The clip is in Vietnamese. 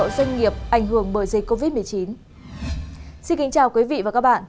xin kính chào quý vị và các bạn